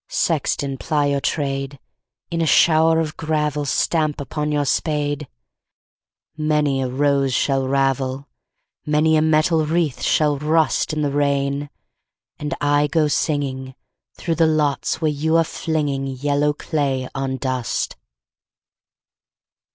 Sexton, ply your trade! In a shower of gravel Stamp upon your spade! Many a rose shall ravel, Many a metal wreath shall rust In the rain, and I go singing Through the lots where you are flinging Yellow clay on dust!